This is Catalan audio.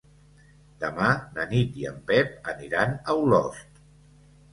Demà na Nit i en Pep aniran a Olost.